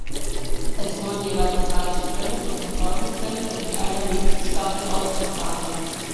Es wurden jeweils zwei Sprint- und Verfolgungsrennen sowie eine Mixed-Staffel ausgetragen.